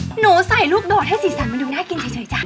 หนูใส่ลูกโดดให้สีสันมันดูน่ากินเฉยจ้ะ